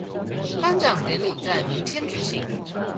頒獎典禮將在明天舉行